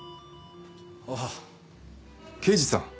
ああ刑事さん。